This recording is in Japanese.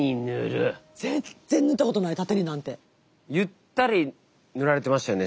ゆったり塗られてましたよね